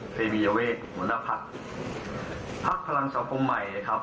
เซมียเวทหัวหน้าภักดิ์ภักดิ์พลังสังคมใหม่นะครับ